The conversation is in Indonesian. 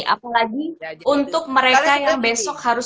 apalagi untuk mereka